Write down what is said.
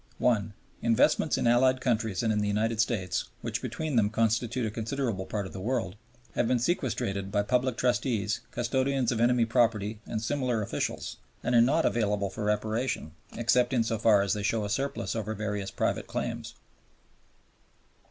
(i.) Investments in Allied countries and in the United States, which between them constitute a considerable part of the world, have been sequestrated by Public Trustees, Custodians of Enemy Property, and similar officials, and are not available for Reparation except in so far as they show a surplus over various private claims.